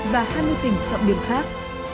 và hai mươi tỉnh trọng điểm khác